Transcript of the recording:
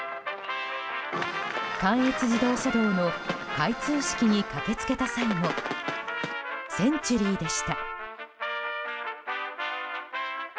関越自動車道の開通式に駆け付けた際もセンチュリーでした。